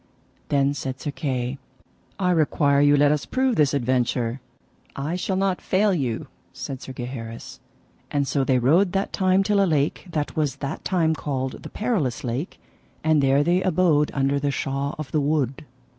Then said Sir Kay: I require you let us prove this adventure. I shall not fail you, said Sir Gaheris. And so they rode that time till a lake that was that time called the Perilous Lake, and there they abode under the shaw of the wood.